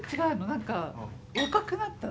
何か若くなった。